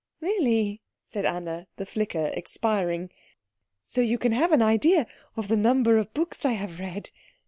"Really?" said Anna, the flicker expiring. "So you can have an idea of the number of books I have read."